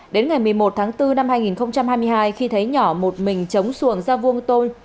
đến ngày một mươi một tháng bốn năm hai nghìn hai mươi hai khi thấy nhỏ một mình chống xuồng ra vuông tôi